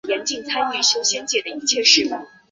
迦太基政府被迫重新起用哈米尔卡。